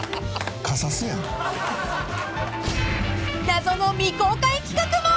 ［謎の未公開企画も］